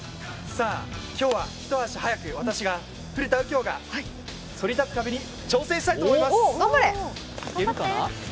今日は一足早く私が、古田がそり立つ壁に挑戦したいと思います！